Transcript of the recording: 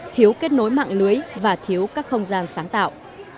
thiếu kết nối mạng lưới và thiếu các không gian sáng tạo